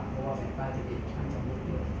เพราะว่าสิ่งป้ายที่เป็นอาจจะมุดด้วย